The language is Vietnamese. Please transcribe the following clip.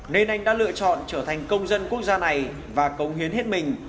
nên anh đã lựa chọn trở thành công dân quốc gia này và công hiến hết mình